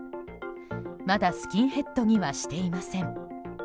まだスキンヘッドにはしていません。